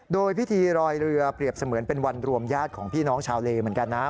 โดยพิธีรอยเรือเปรียบเสมือนเป็นวันรวมญาติของพี่น้องชาวเลเหมือนกันนะ